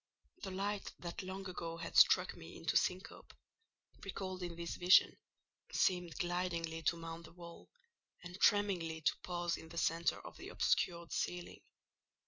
The light that long ago had struck me into syncope, recalled in this vision, seemed glidingly to mount the wall, and tremblingly to pause in the centre of the obscured ceiling.